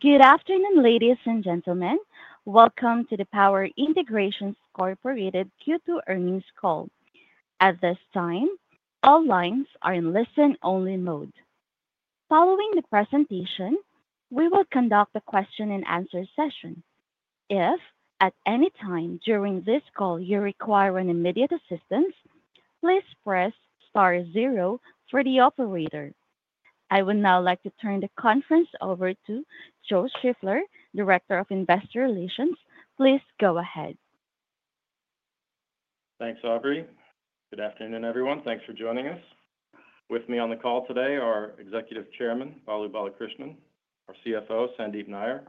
Good afternoon, ladies and gentlemen. Welcome to the Power Integrations Incorporated Q2 Earnings Call. At this time, all lines are in listen-only mode. Following the presentation, we will conduct a question-and-answer session. If at any time during this call you require immediate assistance, please press star zero for the operator. I would now like to turn the conference over to Joe Shiffler, Director of Investor Relations. Please go ahead. Thanks, Aubrey. Good afternoon, everyone. Thanks for joining us. With me on the call today are Executive Chairman Balu Balakrishnan, our CFO, Sandeep Nayyar,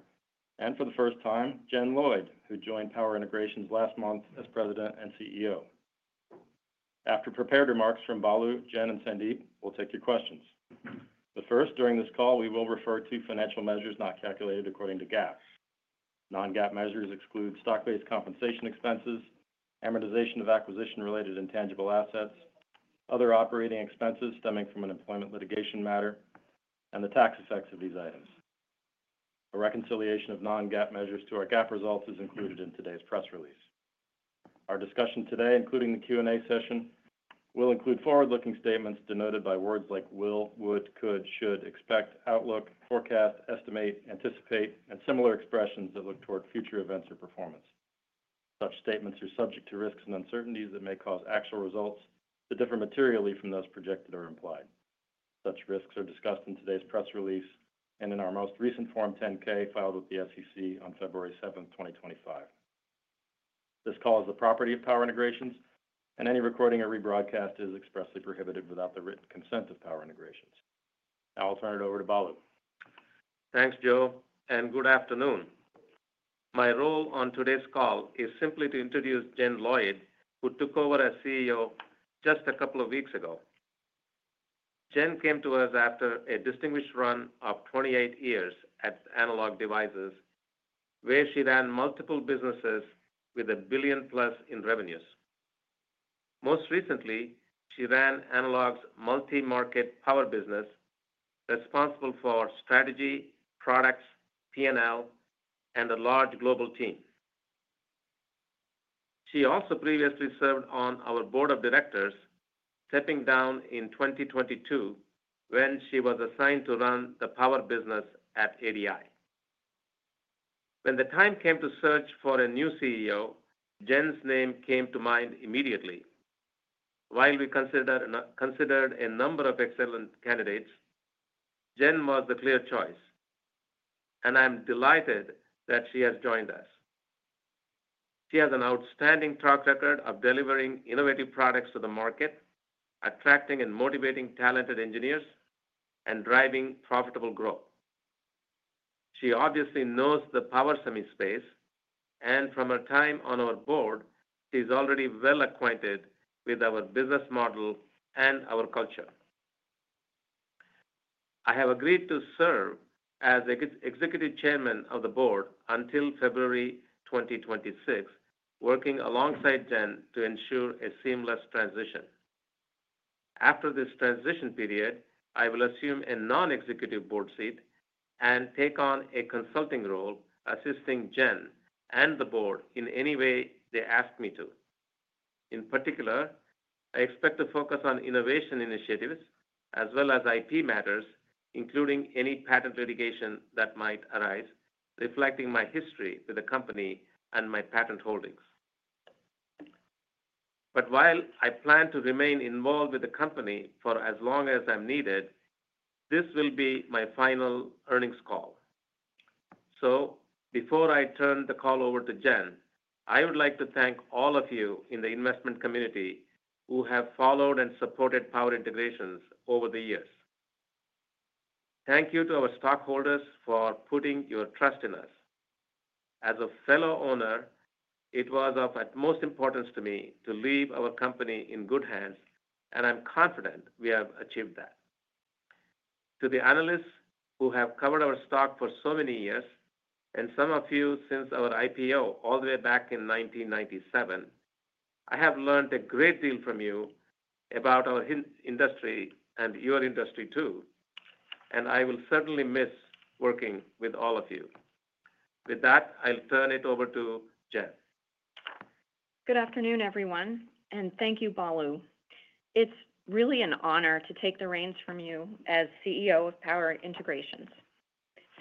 and for the first time, Jen Lloyd, who joined Power Integrations last month as President and CEO. After prepared remarks from Balu, Jen, and Sandeep, we'll take your questions. During this call, we will refer to financial measures not calculated according to GAAP. Non-GAAP measures exclude stock-based compensation expenses, amortization of acquisition-related intangible assets, other operating expenses stemming from an employment litigation matter, and the tax effects of these items. A reconciliation of non-GAAP measures to our GAAP results is included in today's press release. Our discussion today, including the Q&A session, will include forward-looking statements denoted by words like will, would, could, should, expect, outlook, forecast, estimate, anticipate, and similar expressions that look toward future events or performance. Such statements are subject to risks and uncertainties that may cause actual results to differ materially from those projected or implied. Such risks are discussed in today's press release and in our most recent Form 10-K filed with the SEC on February 7, 2025. This call is the property of Power Integrations, and any recording or rebroadcast is expressly prohibited without the written consent of Power Integrations. Now, I'll turn it over to Balu. Thanks, Joe, and good afternoon. My role on today's call is simply to introduce Jen Lloyd, who took over as CEO just a couple of weeks ago. Jen came to us after a distinguished run of 28 years at Analog Devices, where she ran multiple businesses with a billion-plus in revenues. Most recently, she ran Analog's multi-market power business, responsible for strategy, products, P&L, and a large global team. She also previously served on our Board of Directors, stepping down in 2022 when she was assigned to run the power business at ADI. When the time came to search for a new CEO, Jen's name came to mind immediately. While we considered a number of excellent candidates, Jen was the clear choice, and I'm delighted that she has joined us. She has an outstanding track record of delivering innovative products to the market, attracting and motivating talented engineers, and driving profitable growth. She obviously knows the power semi-space, and from her time on our Board, she's already well acquainted with our business model and our culture. I have agreed to serve as Executive Chairman of the Board until February 2026, working alongside Jen to ensure a seamless transition. After this transition period, I will assume a non-executive board seat and take on a consulting role, assisting Jen and the Board in any way they ask me to. In particular, I expect to focus on innovation initiatives as well as IP matters, including any patent litigation that might arise, reflecting my history with the company and my patent holdings. While I plan to remain involved with the company for as long as I'm needed, this will be my final earnings call. Before I turn the call over to Jen, I would like to thank all of you in the investment community who have followed and supported Power Integrations over the years. Thank you to our stockholders for putting your trust in us. As a fellow owner, it was of utmost importance to me to leave our company in good hands, and I'm confident we have achieved that. To the analysts who have covered our stock for so many years, and some of you since our IPO all the way back in 1997, I have learned a great deal from you about our industry and your industry too, and I will certainly miss working with all of you. With that, I'll turn it over to Jen. Good afternoon, everyone, and thank you, Balu. It's really an honor to take the reins from you as CEO of Power Integrations.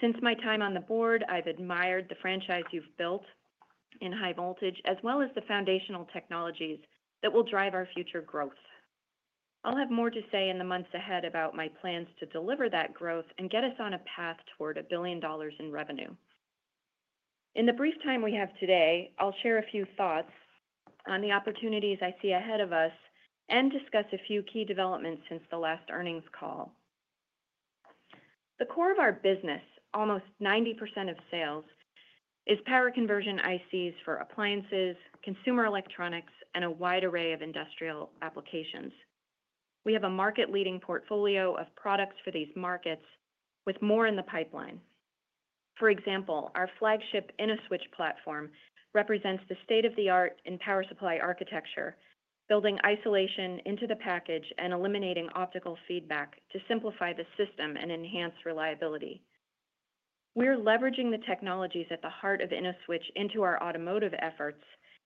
Since my time on the board, I've admired the franchise you've built in high voltage, as well as the foundational technologies that will drive our future growth. I'll have more to say in the months ahead about my plans to deliver that growth and get us on a path toward a billion dollars in revenue. In the brief time we have today, I'll share a few thoughts on the opportunities I see ahead of us and discuss a few key developments since the last earnings call. The core of our business, almost 90% of sales, is power conversion ICs for appliances, consumer electronics, and a wide array of industrial applications. We have a market-leading portfolio of products for these markets, with more in the pipeline. For example, our flagship InnoSwitch platform represents the state-of-the-art in power supply architecture, building isolation into the package and eliminating optical feedback to simplify the system and enhance reliability. We're leveraging the technologies at the heart of InnoSwitch into our automotive efforts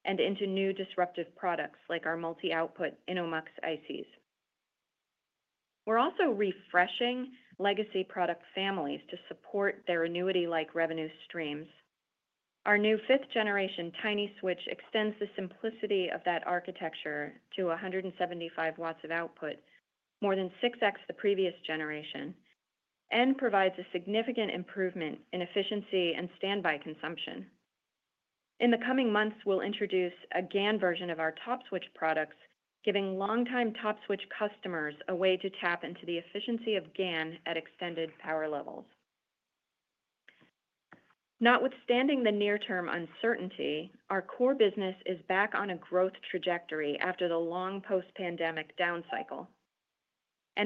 and into new disruptive products like our multi-output InnoMux ICs. We're also refreshing legacy product families to support their annuity-like revenue streams. Our new fifth-generation TinySwitch extends the simplicity of that architecture to 175 W of output, more than 6X the previous generation, and provides a significant improvement in efficiency and standby consumption. In the coming months, we'll introduce a GaN version of our TOPSwitch products, giving longtime TOPSwitch customers a way to tap into the efficiency of GaN at extended power levels. Notwithstanding the near-term uncertainty, our core business is back on a growth trajectory after the long post-pandemic down cycle.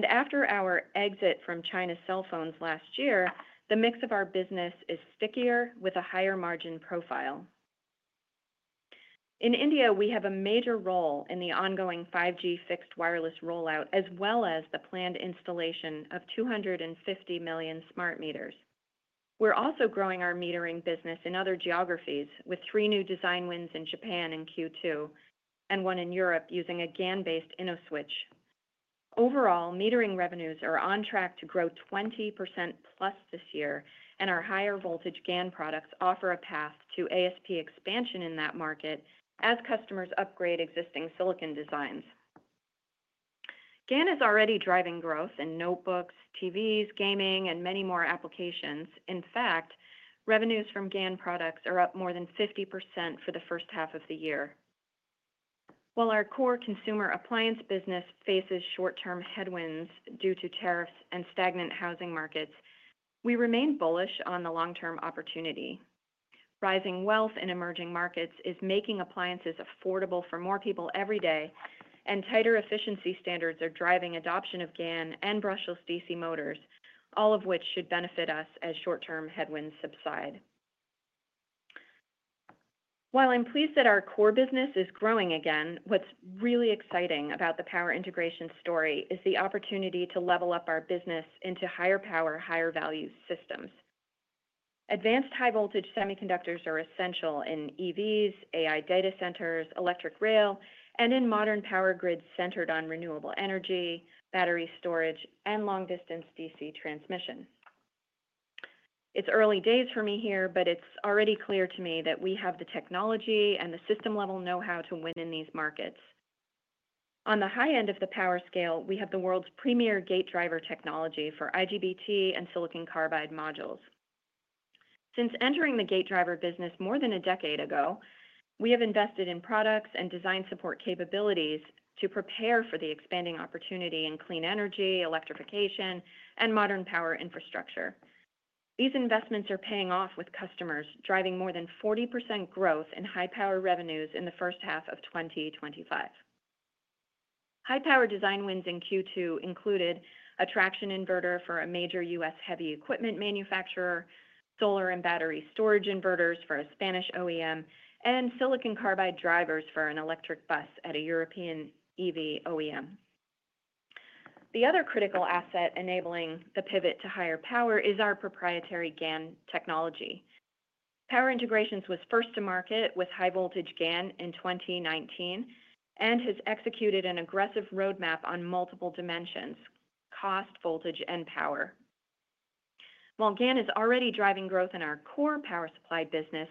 After our exit from China's cell phones last year, the mix of our business is stickier with a higher margin profile. In India, we have a major role in the ongoing 5G fixed wireless rollout, as well as the planned installation of 250 million smart meters. We're also growing our metering business in other geographies, with three new design wins in Japan in Q2 and one in Europe using a GaN-based InnoSwitch. Overall, metering revenues are on track to grow 20%+ this year, and our higher voltage GaN products offer a path to ASP expansion in that market as customers upgrade existing silicon designs. GaN is already driving growth in notebooks, TVs, gaming, and many more applications. In fact, revenues from GaN products are up more than 50% for the first half of the year. While our core consumer appliance business faces short-term headwinds due to tariffs and stagnant housing markets, we remain bullish on the long-term opportunity. Rising wealth in emerging markets is making appliances affordable for more people every day, and tighter efficiency standards are driving adoption of GaN and brushless DC motors, all of which should benefit us as short-term headwinds subside. While I'm pleased that our core business is growing again, what's really exciting about the Power Integrations story is the opportunity to level up our business into higher power, higher value systems. Advanced high-voltage semiconductors are essential in EVs, AI data centers, electric rail, and in modern power grids centered on renewable energy, battery storage, and long-distance DC transmission. It's early days for me here, but it's already clear to me that we have the technology and the system-level know-how to win in these markets. On the high end of the power scale, we have the world's premier gate driver technology for IGBT and silicon carbide modules. Since entering the gate driver business more than a decade ago, we have invested in products and design support capabilities to prepare for the expanding opportunity in clean energy, electrification, and modern power infrastructure. These investments are paying off with customers driving more than 40% growth in high power revenues in the first half of 2025. High power design wins in Q2 included a traction inverter for a major US heavy equipment manufacturer, solar and battery storage inverters for a Spanish OEM, and silicon carbide drivers for an electric bus at a European EV OEM. The other critical asset enabling the pivot to higher power is our proprietary GaN technology. Power Integrations was first to market with high-voltage GaN in 2019 and has executed an aggressive roadmap on multiple dimensions: cost, voltage, and power. While GaN is already driving growth in our core power supply business,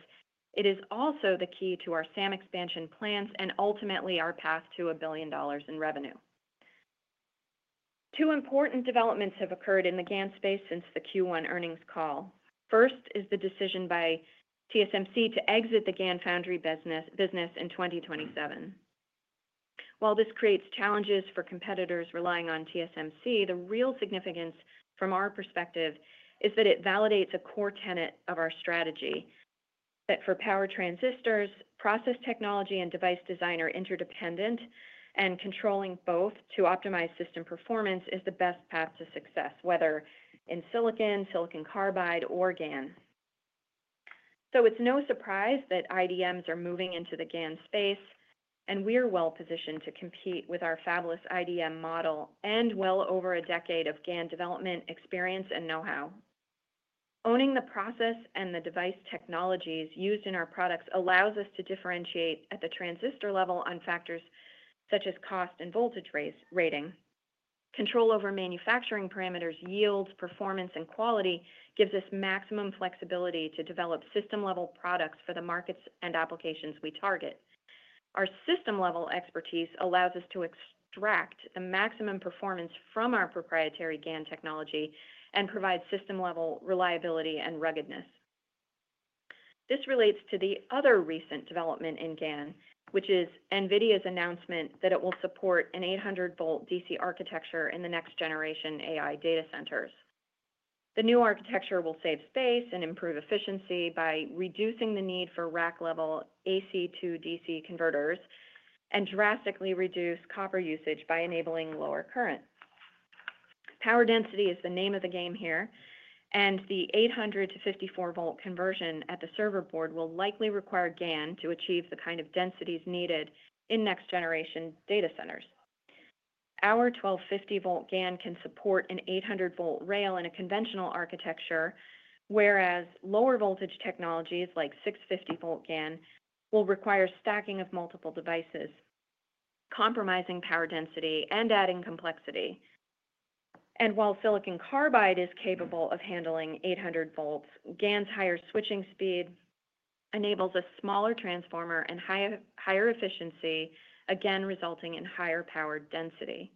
it is also the key to our SAM expansion plans and ultimately our path to a billion dollars in revenue. Two important developments have occurred in the GaN space since the Q1 earnings call. First is the decision by TSMC to exit the GaN foundry business in 2027. While this creates challenges for competitors relying on TSMC, the real significance from our perspective is that it validates a core tenet of our strategy. For power transistors, process technology and device design are interdependent, and controlling both to optimize system performance is the best path to success, whether in silicon, silicon carbide, or GaN. It is no surprise that IDMs are moving into the GaN space, and we're well positioned to compete with our fabulous IDM model and well over a decade of GaN development, experience, and know-how. Owning the process and the device technologies used in our products allows us to differentiate at the transistor level on factors such as cost and voltage rating. Control over manufacturing parameters, yields, performance, and quality gives us maximum flexibility to develop system-level products for the markets and applications we target. Our system-level expertise allows us to extract the maximum performance from our proprietary GaN technology and provide system-level reliability and ruggedness. This relates to the other recent development in GaN, which is NVIDIA's announcement that it will support an 800V DC architecture in the next generation AI data centers. The new architecture will save space and improve efficiency by reducing the need for rack-level AC to DC converters and drastically reduce copper usage by enabling lower current. Power density is the name of the game here, and the 800V to 54V conversion at the server board will likely require GaN to achieve the kind of densities needed in next-generation data centers. Our 1250V GaN can support an 800V rail in a conventional architecture, whereas lower voltage technologies like 650V GaN will require stacking of multiple devices, compromising power density and adding complexity. While silicon carbide is capable of handling 800V, GaN's higher switching speed enables a smaller transformer and higher efficiency, again resulting in higher power density.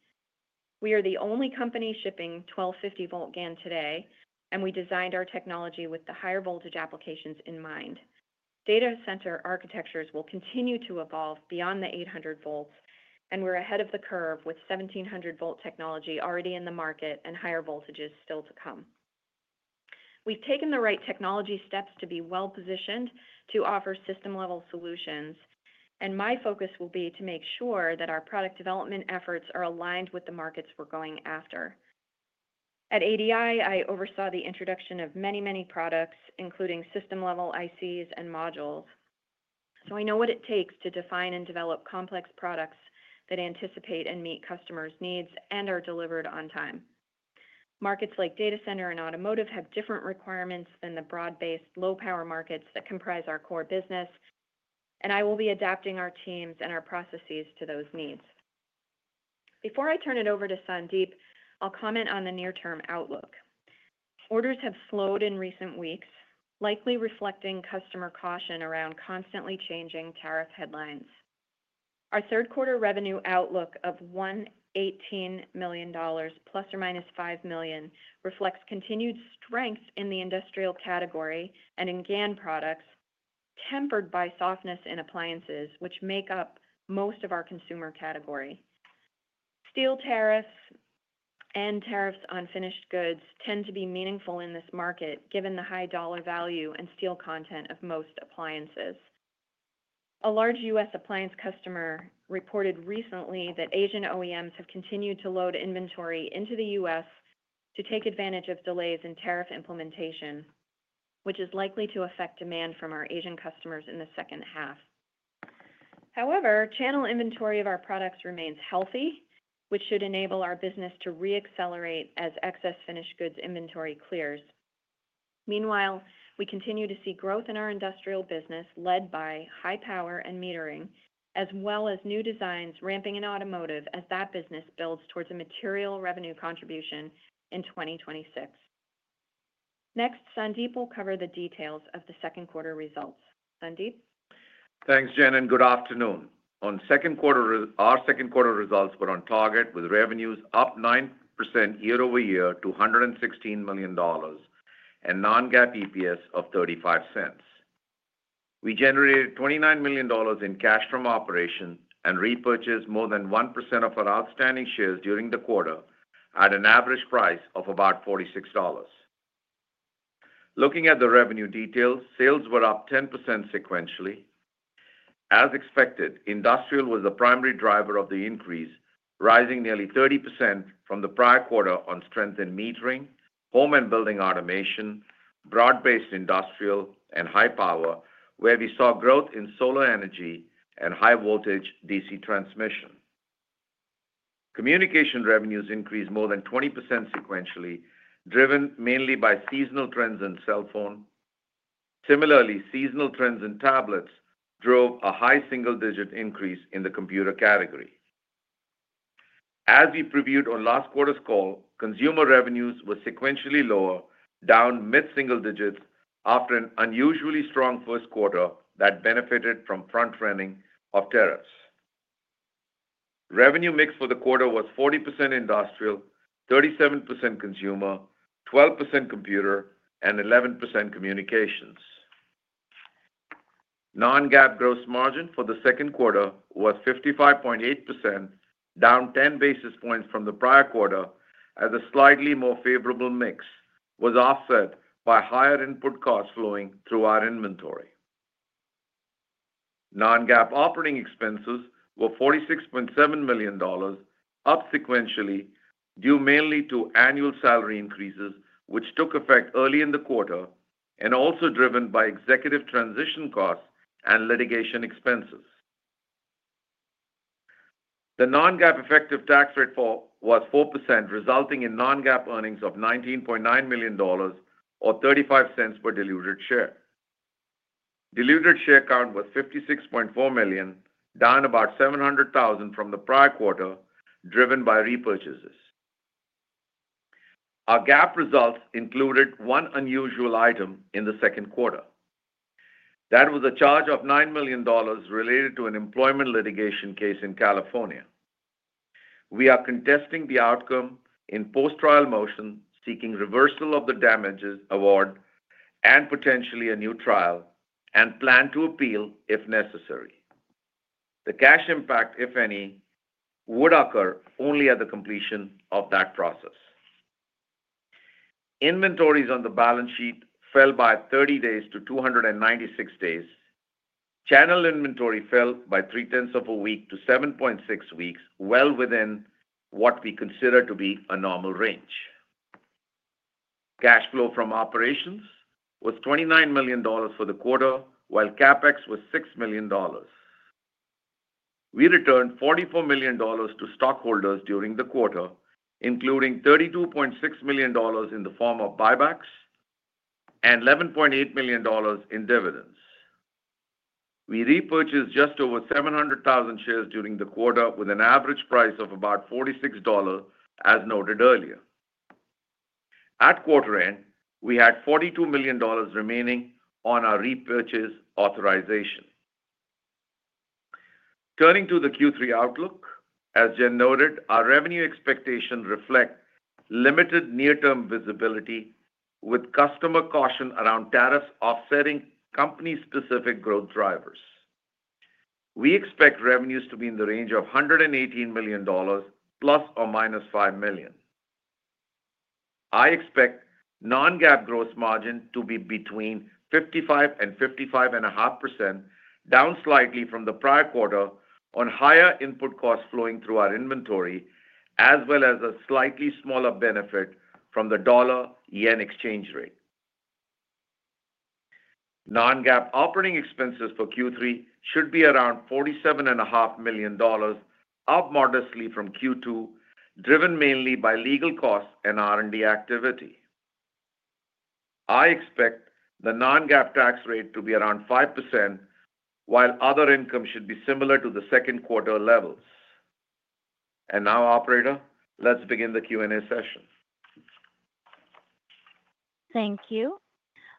We are the only company shipping 1250V GaN today, and we designed our technology with the higher voltage applications in mind. Data center architectures will continue to evolve beyond the 800V, and we're ahead of the curve with 1700V technology already in the market and higher voltages still to come. We've taken the right technology steps to be well positioned to offer system-level solutions, and my focus will be to make sure that our product development efforts are aligned with the markets we're going after. At AD, I oversaw the introduction of many, many products, including system-level ICs and modules. I know what it takes to define and develop complex products that anticipate and meet customers' needs and are delivered on time. Markets like data center and automotive have different requirements than the broad-based low-power markets that comprise our core business, and I will be adapting our teams and our processes to those needs. Before I turn it over to Sandeep, I'll comment on the near-term outlook. Orders have slowed in recent weeks, likely reflecting customer caution around constantly changing tariff headlines. Our third-quarter revenue outlook of $118 million, ±$5 million, reflects continued strength in the industrial category and in GaN products, tempered by softness in appliances, which make up most of our consumer category. Steel tariffs and tariffs on finished goods tend to be meaningful in this market, given the high dollar value and steel content of most appliances. A large US appliance customer reported recently that Asian OEMs have continued to load inventory into the U.S. to take advantage of delays in tariff implementation, which is likely to affect demand from our Asian customers in the second half. However, channel inventory of our products remains healthy, which should enable our business to re-accelerate as excess finished goods inventory clears. Meanwhile, we continue to see growth in our industrial business led by high power and metering, as well as new designs ramping in automotive as that business builds towards a material revenue contribution in 2026. Next, Sandeep will cover the details of the second quarter results. Sandeep? Thanks, Jen, and good afternoon. On second quarter, our second quarter results were on target with revenues up 9% year-over-year to $116 million and non-GAAP EPS of $0.35. We generated $29 million in cash from operations and repurchased more than 1% of our outstanding shares during the quarter at an average price of about $46. Looking at the revenue details, sales were up 10% sequentially. As expected, industrial was the primary driver of the increase, rising nearly 30% from the prior quarter on strength in metering, home and building automation, broad-based industrial, and high power, where we saw growth in solar energy and high voltage DC transmission. Communication revenues increased more than 20% sequentially, driven mainly by seasonal trends in cell phone. Similarly, seasonal trends in tablets drove a high single-digit increase in the computer category. As we previewed on last quarter's call, consumer revenues were sequentially lower, down mid-single digits after an unusually strong First Quarter that benefited from front-running of tariffs. Revenue mix for the quarter was 40% industrial, 37% consumer, 12% computer, and 11% communications. Non-GAAP gross margin for the second quarter was 55.8%, down 10 basis points from the prior quarter, as a slightly more favorable mix was offset by higher input costs flowing through our inventory. Non-GAAP operating expenses were $46.7 million, up sequentially, due mainly to annual salary increases, which took effect early in the quarter, and also driven by executive transition costs and litigation expenses. The non-GAAP effective tax rate was 4%, resulting in non-GAAP earnings of $19.9 million or $0.35 per diluted share. Diluted share count was 56.4 million, down about 700,000 from the prior quarter, driven by repurchases. Our GAAP results included one unusual item in the second quarter. That was a charge of $9 million related to an employment litigation case in California. We are contesting the outcome in post-trial motion seeking reversal of the damages award and potentially a new trial, and plan to appeal if necessary. The cash impact, if any, would occur only at the completion of that process. Inventories on the balance sheet fell by 30 days to 296 days. Channel inventory fell by three-tenths of a week to 7.6 weeks, well within what we consider to be a normal range. Cash flow from operations was $29 million for the quarter, while CapEx was $6 million. We returned $44 million to stockholders during the quarter, including $32.6 million in the form of buybacks and $11.8 million in dividends. We repurchased just over 700,000 shares during the quarter with an average price of about $46, as noted earlier. At quarter end, we had $42 million remaining on our repurchase authorization. Turning to the Q3 outlook, as Jen noted, our revenue expectation reflects limited near-term visibility with customer caution around tariffs offsetting company-specific growth drivers. We expect revenues to be in the range of $118 million ±$5 million. I expect non-GAAP gross margin to be between 55% and 55.5%, down slightly from the prior quarter on higher input costs flowing through our inventory, as well as a slightly smaller benefit from the dollar-yen exchange rate. Non-GAAP operating expenses for Q3 should be around $47.5 million, up modestly from Q2, driven mainly by legal costs and R&D activity. I expect the non-GAAP tax rate to be around 5%, while other income should be similar to the second quarter levels. Now, operator, let's begin the Q&A session. Thank you.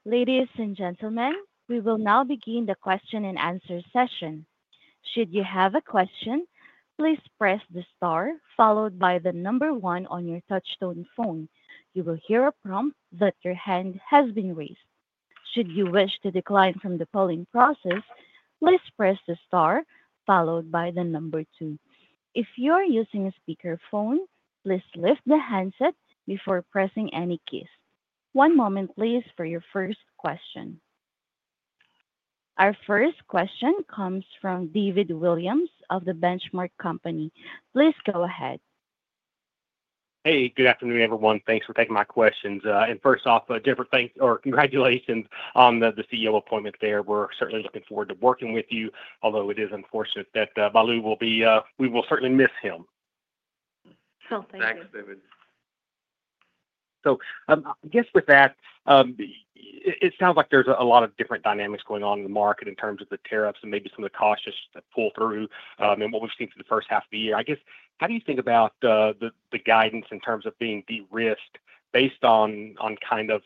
Ladies and gentlemen, we will now begin the question and answer session. Should you have a question, please press the star followed by the number one on your touch-tone phone. You will hear a prompt that your hand has been raised. Should you wish to decline from the polling process, please press the star followed by the number two. If you are using a speaker phone, please lift the handset before pressing any key. One moment, please, for your first question. Our first question comes from David Williams of The Benchmark Company. Please go ahead. Hey, good afternoon, everyone. Thanks for taking my questions. First off, a different thank you or congratulations on the CEO appointment there. We're certainly looking forward to working with you, although it is unfortunate that Balu will be, we will certainly miss him. Thank you. Thanks, David. I guess with that, it sounds like there's a lot of different dynamics going on in the market in terms of the tariffs and maybe some of the cautious pull-through and what we've seen through the first half of the year. I guess, how do you think about the guidance in terms of being de-risked based on kind of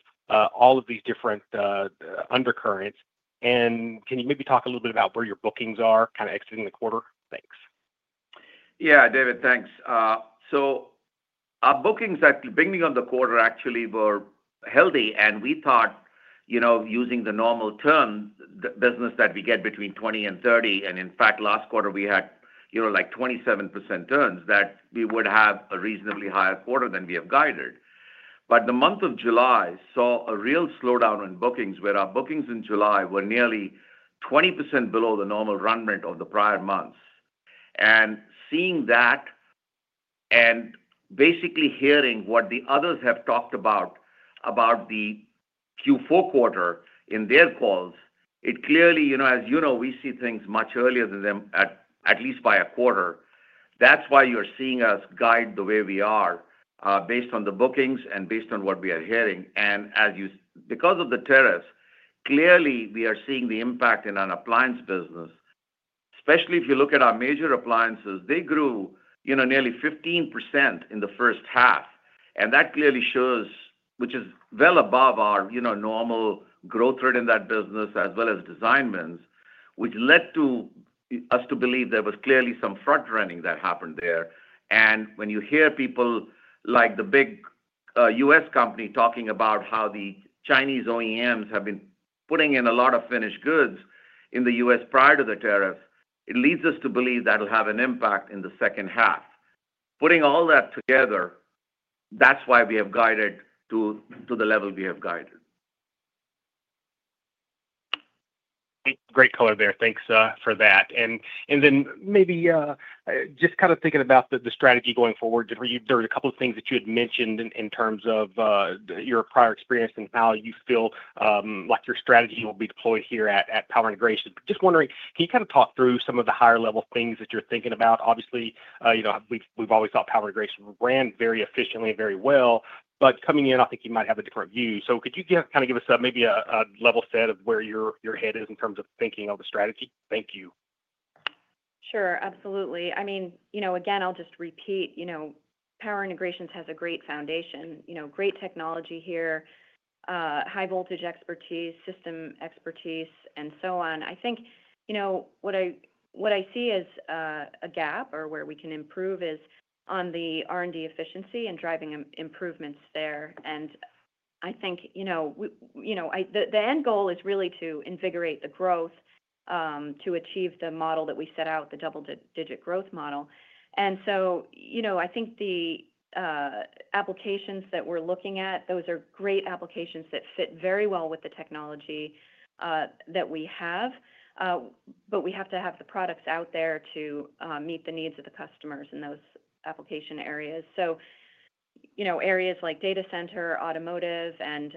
all of these different undercurrents? Can you maybe talk a little bit about where your bookings are kind of exiting the quarter? Thanks. Yeah, David, thanks. Our bookings at the beginning of the quarter actually were healthy, and we thought, you know, using the normal turn, the business that we get between 20% and 30%, and in fact, last quarter we had, you know, like 27% turns, that we would have a reasonably higher quarter than we have guided. The month of July saw a real slowdown in bookings where our bookings in July were nearly 20% below the normal run rate of the prior months. Seeing that and basically hearing what the others have talked about about the Q4 quarter in their calls, it clearly, you know, as you know, we see things much earlier than them, at least by a quarter. That's why you're seeing us guide the way we are based on the bookings and based on what we are hearing. Because of the tariffs, clearly we are seeing the impact in an appliance business. Especially if you look at our major appliances, they grew, you know, nearly 15% in the first half. That clearly shows, which is well above our, you know, normal growth rate in that business, as well as design wins, which led to us to believe there was clearly some front-running that happened there. When you hear people like the big US company talking about how the Chinese OEMs have been putting in a lot of finished goods in the U.S. prior to the tariffs, it leads us to believe that'll have an impact in the second half. Putting all that together, that's why we have guided to the level we have guided. Great color there. Thanks for that. Maybe just kind of thinking about the strategy going forward, there were a couple of things that you had mentioned in terms of your prior experience and how you feel like your strategy will be deployed here at Power Integrations. Just wondering, can you kind of talk through some of the higher-level things that you're thinking about? Obviously, you know, we've always thought Power Integrations ran very efficiently and very well. Coming in, I think you might have a different view. Could you kind of give us maybe a level set of where your head is in terms of thinking of the strategy? Thank you. Sure, absolutely. Power Integrations has a great foundation, great technology here, high-voltage expertise, system expertise, and so on. I think what I see as a gap or where we can improve is on the R&D efficiency and driving improvements there. I think the end goal is really to invigorate the growth to achieve the model that we set out, the double-digit growth model. I think the applications that we're looking at, those are great applications that fit very well with the technology that we have. We have to have the products out there to meet the needs of the customers in those application areas. Areas like data center, automotive, and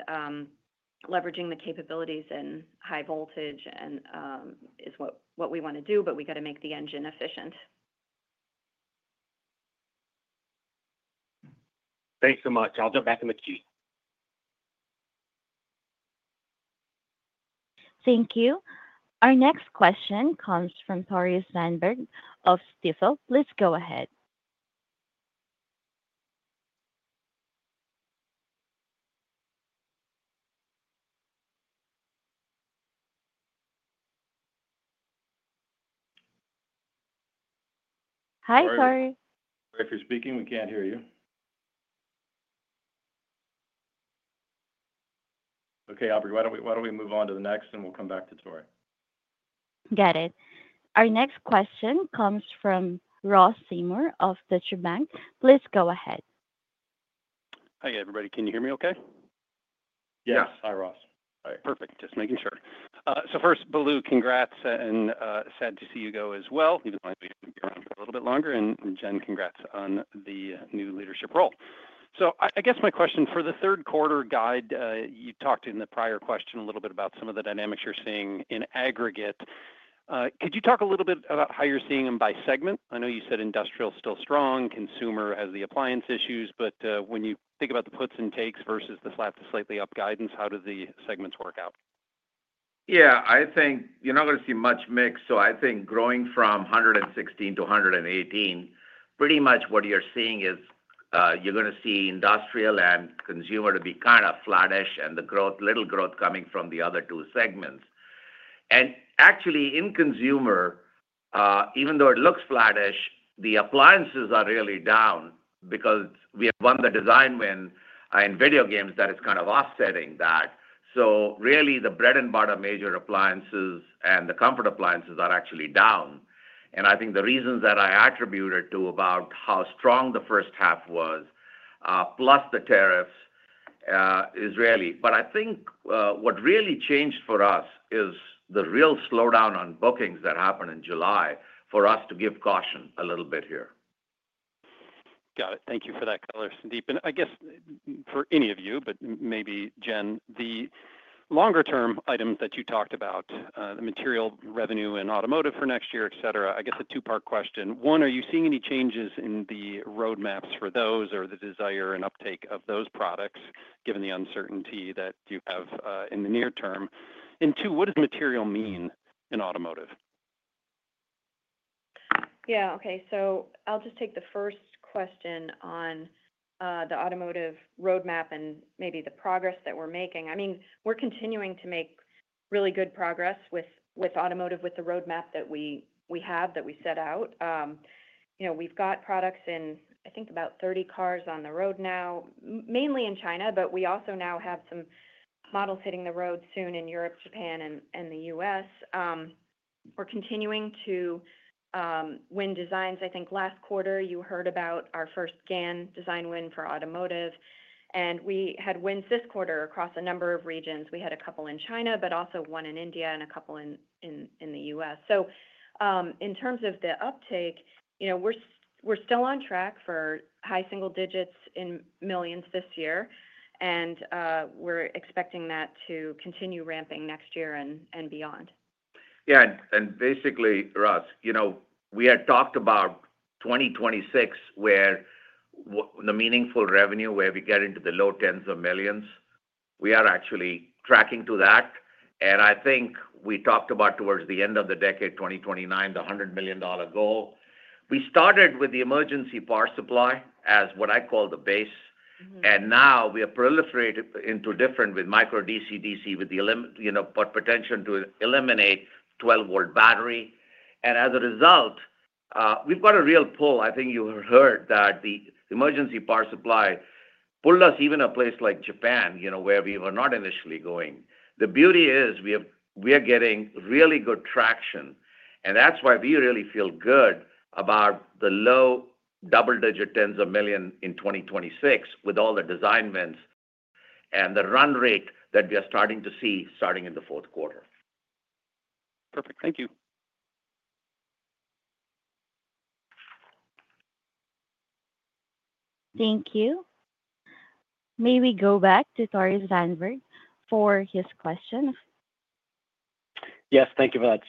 leveraging the capabilities in high voltage is what we want to do, but we got to make the engine efficient. Thanks so much. I'll jump back in with you. Thank you. Our next question comes from Tore Svanberg of Stifel. Please go ahead. Hi, Tore. Sorry for speaking. We can't hear you. Okay, Aubrey, why don't we move on to the next and we'll come back to Tore? Got it. Our next question comes from Ross Seymore of Deutsche Bank. Please go ahead. Hi, everybody. Can you hear me okay? Yes. Hi, Ross. All right. Perfect. Just making sure. First, Balu, congrats and sad to see you go as well. We've been a little bit longer and Jen, congrats on the new leadership role. I guess my question for the third quarter guide, you talked in the prior question a little bit about some of the dynamics you're seeing in aggregate. Could you talk a little bit about how you're seeing them by segment? I know you said industrial is still strong, consumer has the appliance issues, but when you think about the puts and takes versus the slightly up guidance, how do the segments work out? Yeah, I think you're not going to see much mix. I think growing from $116 million to $118 million, pretty much what you're seeing is you're going to see industrial and consumer to be kind of flattish, and the growth, little growth coming from the other two segments. Actually, in consumer, even though it looks flattish, the appliances are really down because we have won the design win in video games that is kind of offsetting that. Really, the bread and butter major appliances and the comfort appliances are actually down. I think the reasons that I attributed to about how strong the first half was, plus the tariffs, is really, but I think what really changed for us is the real slowdown on bookings that happened in July for us to give caution a little bit here. Got it. Thank you for that color, Sandeep. I guess for any of you, but maybe Jen, the longer-term item that you talked about, the material revenue in automotive for next year, et cetera, I guess a two-part question. One, are you seeing any changes in the roadmaps for those or the desire and uptake of those products, given the uncertainty that you have in the near term? Two, what does material mean in automotive? Yeah, okay. I'll just take the first question on the automotive roadmap and maybe the progress that we're making. I mean, we're continuing to make really good progress with automotive, with the roadmap that we have that we set out. We've got products in, I think, about 30 cars on the road now, mainly in China, but we also now have some models hitting the road soon in Europe, Japan, and the U.S. We're continuing to win designs. I think last quarter you heard about our first GaN design win for automotive, and we had wins this quarter across a number of regions. We had a couple in China, but also one in India and a couple in the U.S. In terms of the uptake, we're still on track for high single digits in millions this year, and we're expecting that to continue ramping next year and beyond. Yeah, basically, Ross, you know, we had talked about 2026 where the meaningful revenue, where we get into the low tens of millions, we are actually tracking to that. I think we talked about towards the end of the decade, 2029, the $100 million goal. We started with the emergency power supply as what I call the base, and now we have proliferated into different with micro DC-DC with the, you know, potential to eliminate 12V battery. As a result, we've got a real pull. I think you heard that the emergency power supply pulled us even a place like Japan, you know, where we were not initially going. The beauty is we are getting really good traction, and that's why we really feel good about the low double-digit tens of million in 2026 with all the design wins and the run rate that we are starting to see starting in the fourth quarter. Perfect. Thank you. Thank you. May we go back to Tore Svanberg for his question? Yes, thank you for that.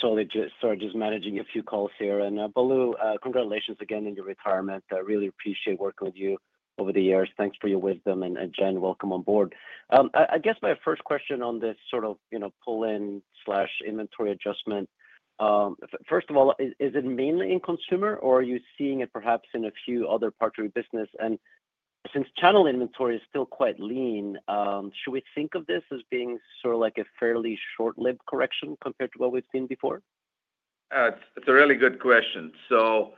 Sorry, just managing a few calls here. Balu, congratulations again on your retirement. I really appreciate working with you over the years. Thanks for your wisdom. Jen, welcome on board. I guess my first question on this sort of, you know, pull-in slash inventory adjustment. First of all, is it mainly in consumer or are you seeing it perhaps in a few other parts of your business? Since channel inventory is still quite lean, should we think of this as being sort of like a fairly short-lived correction compared to what we've seen before? It's a really good question. The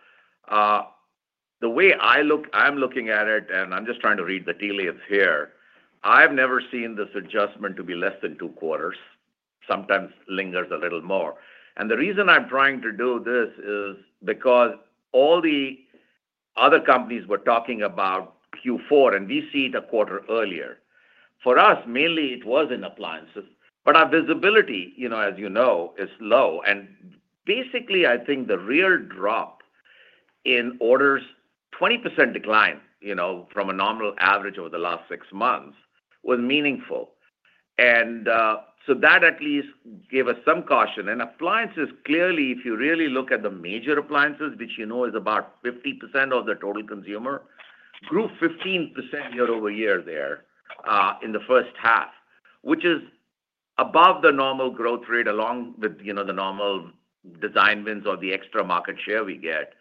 way I look, I'm looking at it, and I'm just trying to read the tea leaves here. I've never seen this adjustment to be less than two quarters. Sometimes it lingers a little more. The reason I'm trying to do this is because all the other companies were talking about Q4, and we see it a quarter earlier. For us, mainly it was in appliances, but our visibility, you know, as you know, is low. I think the real drop in orders, 20% decline from a normal average over the last six months, was meaningful. That at least gave us some caution. Appliances, clearly, if you really look at the major appliances, which you know is about 50% of the total consumer, grew 15% year-over-year there in the first half, which is above the normal growth rate along with the normal design wins or the extra market share we get.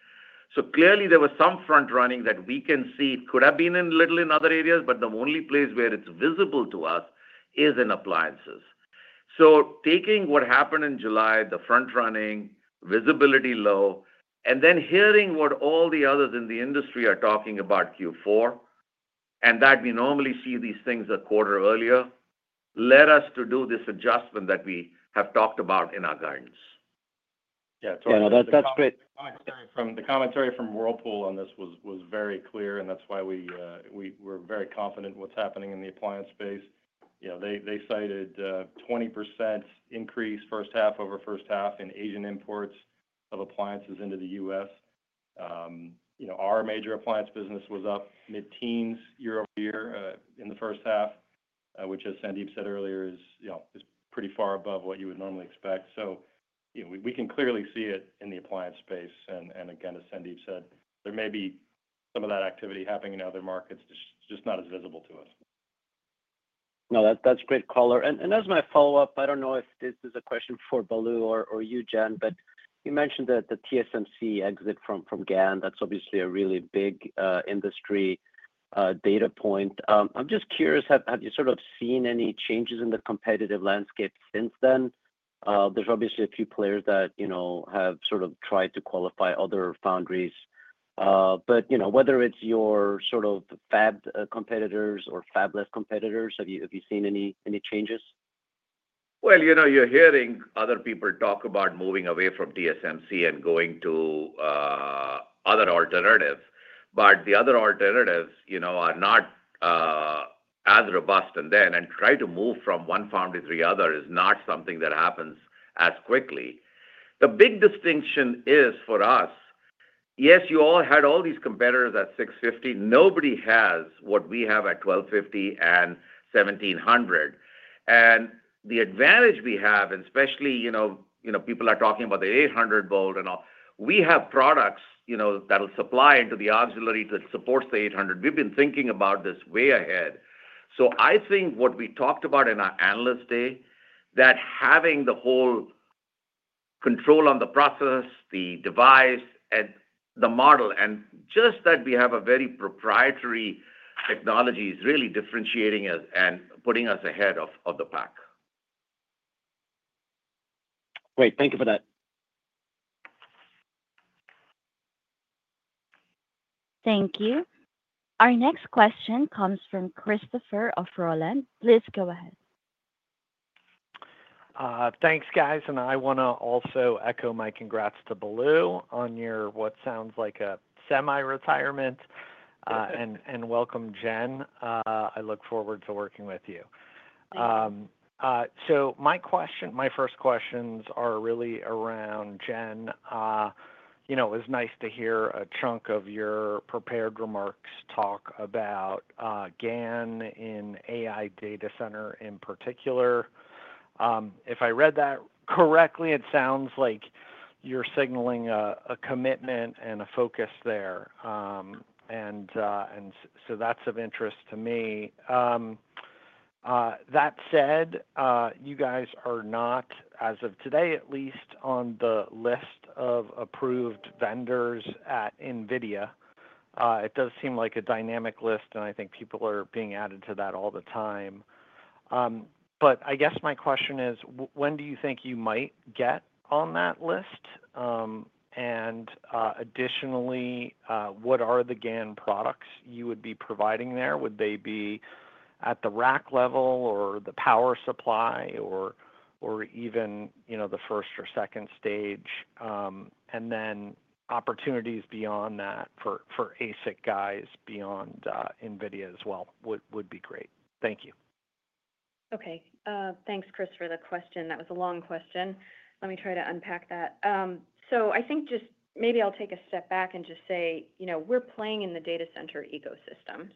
Clearly, there was some front running that we can see could have been a little in other areas, but the only place where it's visible to us is in appliances. Taking what happened in July, the front running, visibility low, and then hearing what all the others in the industry are talking about Q4, and that we normally see these things a quarter earlier, led us to do this adjustment that we have talked about in our guidance. Yeah, that's great. The commentary from Whirlpool on this was very clear, and that's why we're very confident in what's happening in the appliance space. They cited a 20% increase first half over first half in Asian imports of appliances into the U.S. Our major appliance business was up mid-teens year-over-year in the first half, which, as Sandeep said earlier, is pretty far above what you would normally expect. We can clearly see it in the appliance space. As Sandeep said, there may be some of that activity happening in other markets, just not as visible to us. No, that's a great caller. As my follow-up, I don't know if this is a question for Balu or you, Jen, but you mentioned the TSMC exit from GaN. That's obviously a really big industry data point. I'm just curious, have you sort of seen any changes in the competitive landscape since then? There's obviously a few players that have sort of tried to qualify other foundries. Whether it's your sort of fab competitors or fabless competitors, have you seen any changes? You're hearing other people talk about moving away from TSMC and going to other alternatives. The other alternatives are not as robust. Trying to move from one foundry to the other is not something that happens as quickly. The big distinction is for us, yes, you all had all these competitors at 650. Nobody has what we have at 1250 and 1700. The advantage we have, and especially people are talking about the 800V, and we have products that'll supply into the auxiliary that supports the 800V. We've been thinking about this way ahead. I think what we talked about in our analyst day, that having the whole control on the process, the device, and the model, and just that we have a very proprietary technology is really differentiating us and putting us ahead of the pack. Great. Thank you for that. Thank you. Our next question comes from Christopher Rolland. Please go ahead. Thanks, guys. I want to also echo my congrats to Balu on your what sounds like a semi-retirement. Welcome, Jen. I look forward to working with you. My first questions are really around, Jen, you know, it was nice to hear a chunk of your prepared remarks talk about GaN in AI data center in particular. If I read that correctly, it sounds like you're signaling a commitment and a focus there. That's of interest to me. That said, you guys are not, as of today at least, on the list of approved vendors at NVIDIA. It does seem like a dynamic list, and I think people are being added to that all the time. My question is, when do you think you might get on that list? Additionally, what are the GaN products you would be providing there? Would they be at the rack level or the power supply or even, you know, the first or second stage? Opportunities beyond that for ASIC guys beyond NVIDIA as well would be great. Thank you. Okay. Thanks, Chris, for the question. That was a long question. Let me try to unpack that. I think just maybe I'll take a step back and just say, you know, we're playing in the data center ecosystem.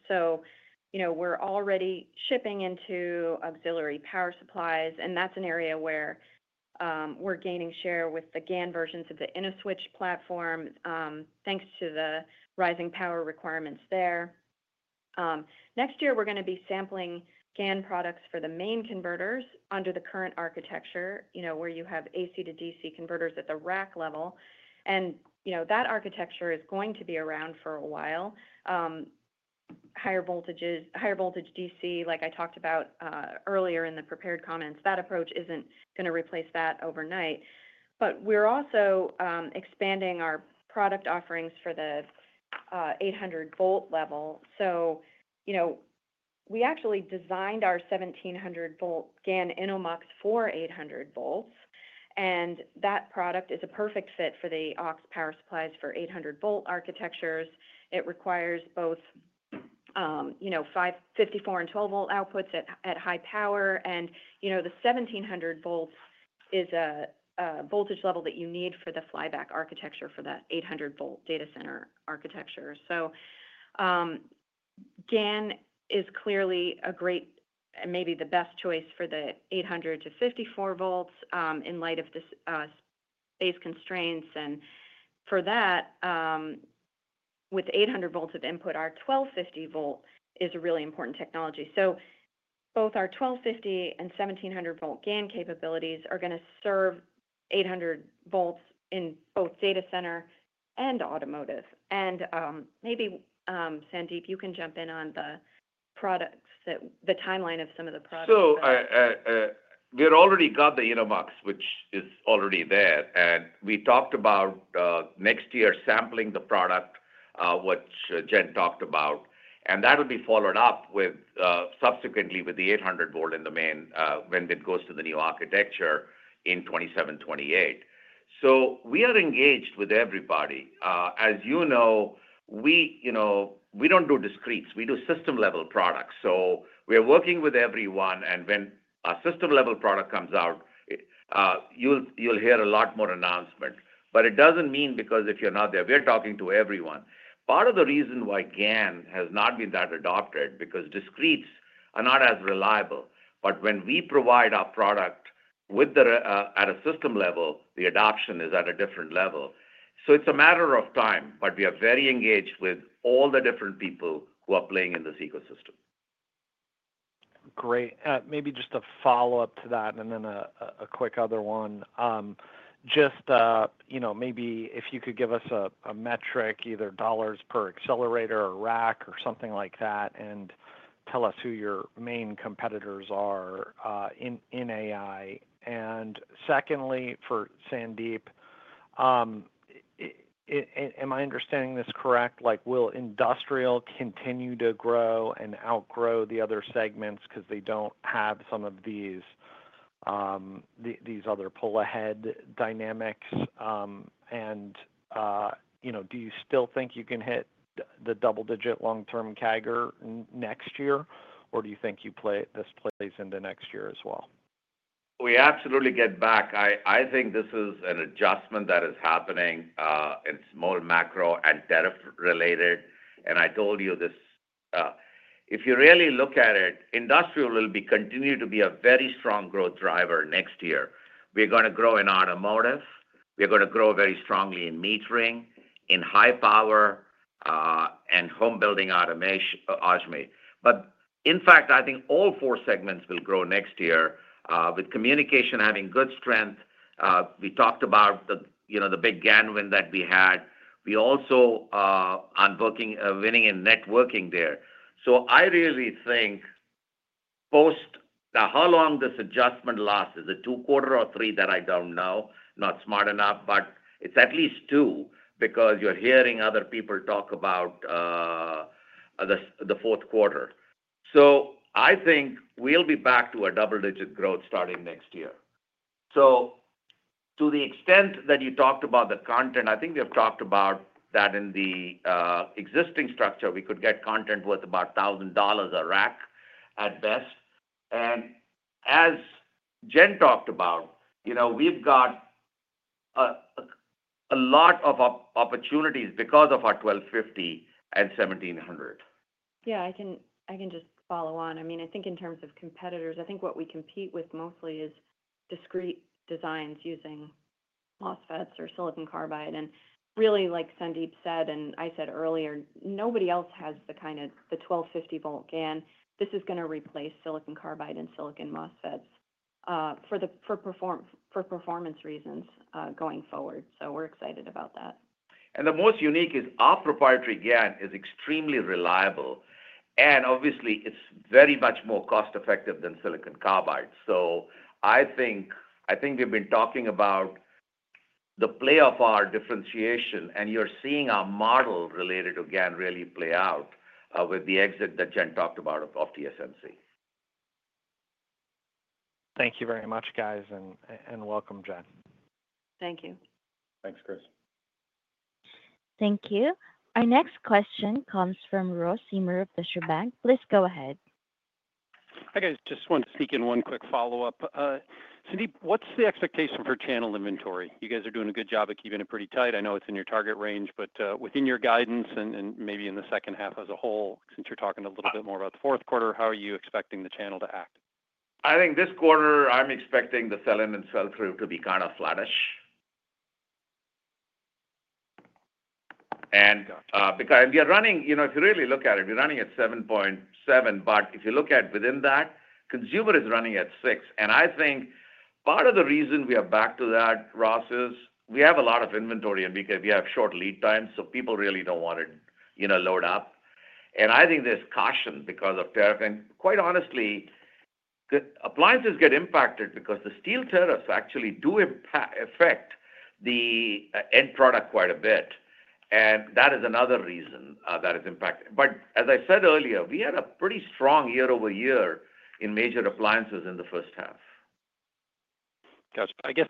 We're already shipping into auxiliary power supplies, and that's an area where we're gaining share with the GaN versions of the InnoSwitch platform, thanks to the rising power requirements there. Next year, we're going to be sampling GaN products for the main converters under the current architecture, where you have AC to DC converters at the rack level. That architecture is going to be around for a while. Higher voltages, higher voltage DC, like I talked about earlier in the prepared comments, that approach isn't going to replace that overnight. We're also expanding our product offerings for the 800V level. We actually designed our 1700V GaN InnoMux for 800V, and that product is a perfect fit for the aux power supplies for 800V architectures. It requires both 54V and 12V outputs at high power. The 1700V is a voltage level that you need for the flyback architecture for that 800V data center architecture. GaN is clearly a great, maybe the best choice for the 800V to 54V in light of the space constraints. For that, with 800V of input, our 1250V is a really important technology. Both our 1250V and 1700V GaN capabilities are going to serve 800V in both data center and automotive. Maybe Sandeep, you can jump in on the products, the timeline of some of the products. We had already got the InnoMux, which is already there. We talked about next year sampling the product, which Jen talked about. That'll be followed up subsequently with the 800V in the main when it goes to the new architecture in 2027-2028. We are engaged with everybody. As you know, we don't do discretes. We do system-level products. We're working with everyone. When our system-level product comes out, you'll hear a lot more announcement. It doesn't mean because if you're not there, we're talking to everyone. Part of the reason why GaN has not been that adopted is because discretes are not as reliable. When we provide our product at a system level, the adoption is at a different level. It's a matter of time. We are very engaged with all the different people who are playing in this ecosystem. Great. Maybe just a follow-up to that and then a quick other one. If you could give us a metric, either dollars per accelerator or rack or something like that, and tell us who your main competitors are in AI. Secondly, for Sandeep, am I understanding this correct? Will industrial continue to grow and outgrow the other segments because they don't have some of these other pull-ahead dynamics? Do you still think you can hit the double-digit long-term CAGR next year, or do you think this plays into next year as well? We absolutely get back. I think this is an adjustment that is happening in small macro and tariff-related. I told you this, if you really look at it, industrial will continue to be a very strong growth driver next year. We're going to grow in automotive. We're going to grow very strongly in metering, in high power, and home building automation. In fact, I think all four segments will grow next year with communication having good strength. We talked about the, you know, the big GaN win that we had. We also are winning in networking there. I really think post how long this adjustment lasts, is it two quarters or three that I don't know. Not smart enough, but it's at least two because you're hearing other people talk about the fourth quarter. I think we'll be back to a double-digit growth starting next year. To the extent that you talked about the content, I think we have talked about that in the existing structure. We could get content worth about $1,000 a rack at best. As Jen talked about, you know, we've got a lot of opportunities because of our 1250V and 1700V. Yeah, I can just follow on. I mean, I think in terms of competitors, I think what we compete with mostly is discrete designs using MOSFETs or silicon carbide. Really, like Sandeep said and I said earlier, nobody else has the kind of the 1250V GaN. This is going to replace silicon carbide and silicon MOSFETs for performance reasons going forward. We're excited about that. The most unique is our proprietary GaN is extremely reliable, and obviously, it's very much more cost-effective than silicon carbide. I think we've been talking about the play of our differentiation, and you're seeing our model related to GaN really play out with the exit that Jen talked about of TSMC. Thank you very much, guys, and welcome, Jen. Thank you. Thanks, Chris. Thank you. Our next question comes from Ross Seymore of Deutsche Bank. Please go ahead. Hi, guys. Just wanted to sneak in one quick follow-up. Sandeep, what's the expectation for channel inventory? You guys are doing a good job of keeping it pretty tight. I know it's in your target range, but within your guidance and maybe in the second half as a whole, since you're talking a little bit more about the fourth quarter, how are you expecting the channel to act? I think this quarter I'm expecting the sell-in and sell-through to be kind of flattish. We are running, you know, if you really look at it, we're running at 7.7. If you look at it within that, consumer is running at 6. I think part of the reason we are back to that, Ross, is we have a lot of inventory and we have short lead times, so people really don't want to, you know, load up. I think there's caution because of tariff. Quite honestly, the appliances get impacted because the steel tariffs actually do affect the end product quite a bit. That is another reason that is impacted. As I said earlier, we had a pretty strong year-over-year in major appliances in the first half. Gotcha. I guess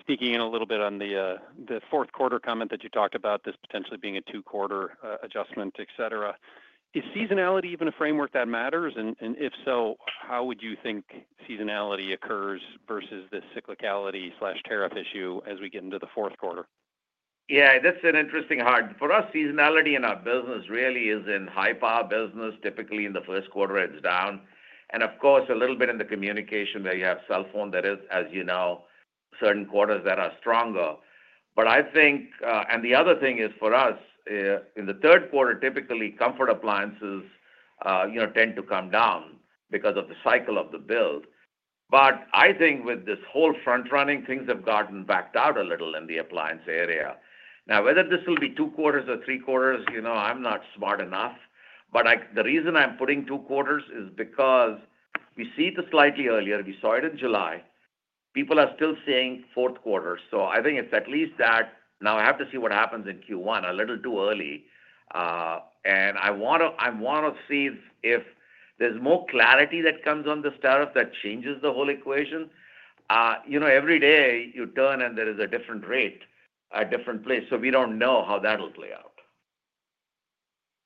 speaking a little bit on the fourth quarter comment that you talked about, this potentially being a two-quarter adjustment, et cetera, is seasonality even a framework that matters? If so, how would you think seasonality occurs versus this cyclicality/tariff issue as we get into the fourth quarter? Yeah, that's an interesting part. For us, seasonality in our business really is in high-power business. Typically, in the First Quarter, it's down. Of course, a little bit in the communication where you have cell phone, that is, as you know, certain quarters that are stronger. I think, and the other thing is for us, in the third quarter, typically comfort appliances, you know, tend to come down because of the cycle of the build. I think with this whole front running, things have gotten backed out a little in the appliance area. Now, whether this will be two quarters or three quarters, you know, I'm not smart enough. The reason I'm putting two quarters is because we see it slightly earlier. We saw it in July. People are still seeing fourth quarters. I think it's at least that. I have to see what happens in Q1, a little too early. I want to see if there's more clarity that comes on this tariff that changes the whole equation. You know, every day you turn and there is a different rate at different places. We don't know how that'll play out.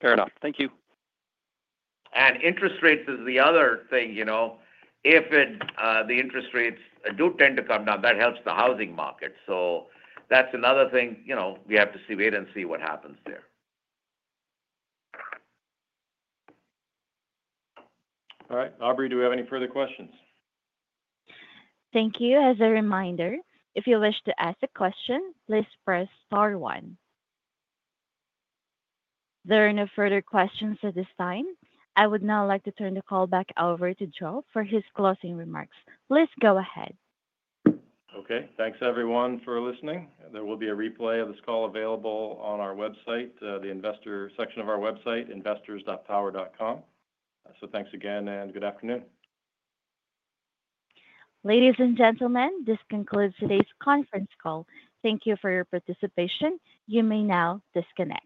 Fair enough. Thank you. Interest rates is the other thing, you know. If the interest rates do tend to come down, that helps the housing market. That's another thing, you know, we have to wait and see what happens there. All right, Aubrey, do we have any further questions? Thank you. As a reminder, if you wish to ask a question, please press star one. There are no further questions at this time. I would now like to turn the call back over to Joe for his closing remarks. Please go ahead. Okay. Thanks, everyone, for listening. There will be a replay of this call available on our website, the investor section of our website, investors.power.com. Thanks again and good afternoon. Ladies and gentlemen, this concludes today's conference call. Thank you for your participation. You may now disconnect.